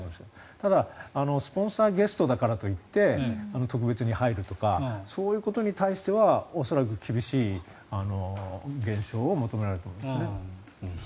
ただ、スポンサーゲストだからと言って特別に入るとかそういうことに対しては恐らく厳しい減少を求められると思います。